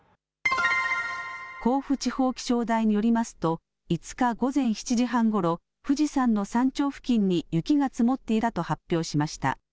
甲府地方気象台によりますと５日午前７時半ごろ、富士山の山頂付近に雪が積もっていたと発表しました。